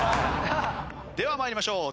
では参りましょう。